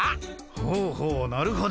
ほうほうなるほど。